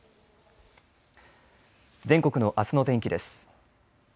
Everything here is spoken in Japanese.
全国のあすの天気です。